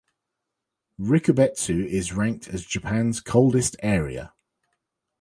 Rikubetsu is ranked as Japan's coldest area.